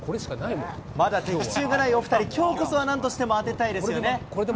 まだ的中がないお２人、きょうこそはなんとしても当てたいですよね。